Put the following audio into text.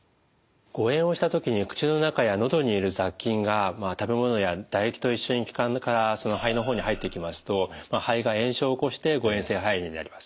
誤えんをした時に口の中やのどにいる雑菌が食べ物や唾液と一緒に気管から肺の方に入っていきますと肺が炎症を起こして誤えん性肺炎になります。